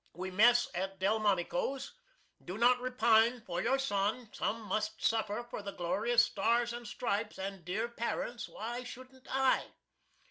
We mess at Delmonico's. Do not repine for your son. Some must suffer for the glorious Stars and Stripes, and dear parents, why shouldn't I?